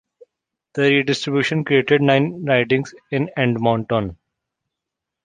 The redistribution created nine ridings in Edmonton.